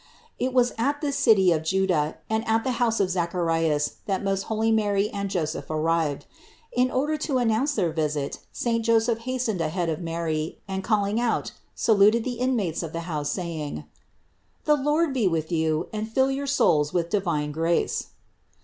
212. It was at this city of Juda and at the house of Zacharias that most holy Mary and Joseph arrived. In order to announce their visit, saint Joseph hastened ahead of Mary and calling out saluted the inmates of the house, saying: "The Lord be with you and fill your souls with divine grace."